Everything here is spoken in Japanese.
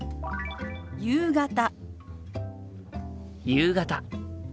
夕方。